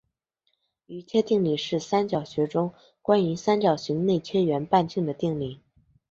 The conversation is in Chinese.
余切定理是三角学中关于三角形内切圆半径的定理。